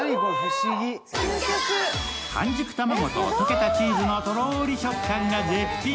半熟卵と溶けたチーズのとろーり食感が絶品。